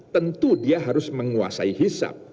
tentu dia harus menguasai hisap